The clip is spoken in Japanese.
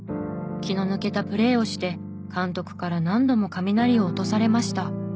気の抜けたプレーをして監督から何度も雷を落とされました。